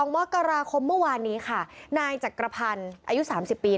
มกราคมเมื่อวานนี้ค่ะนายจักรพันธ์อายุ๓๐ปี